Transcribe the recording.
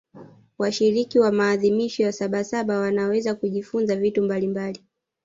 washiriki wa maadhimisho ya sabasaba wanaweza kujifunza vitu mbalimbali